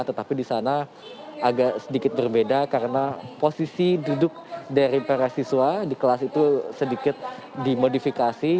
tetapi di sana agak sedikit berbeda karena posisi duduk dari para siswa di kelas itu sedikit dimodifikasi